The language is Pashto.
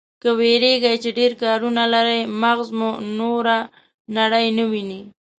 که وېرېږئ چې ډېر کارونه لرئ، مغز مو نوره نړۍ نه ويني.